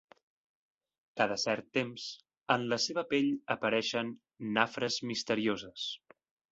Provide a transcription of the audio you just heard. Cada cert temps, en la seva pell apareixen nafres misterioses.